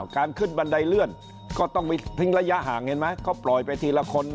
การขึ้นบันไดเลื่อนก็ต้องมีทิ้งระยะห่างเห็นไหมเขาปล่อยไปทีละคน